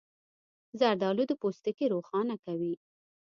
زردالو د پوستکي روښانه کوي.